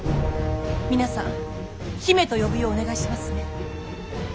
皆さん姫と呼ぶようお願いしますね。